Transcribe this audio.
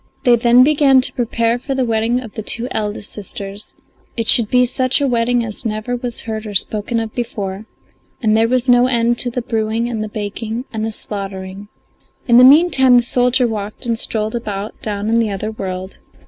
They then began to prepare for the wedding of the two eldest sisters; it should be such a wedding as never was heard or spoken of before, and there was no end to the brewing and the baking and the slaughtering. In the meantime the soldier walked and strolled about down in the other world.